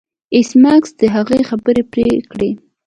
ایس میکس د هغې خبرې پرې کړې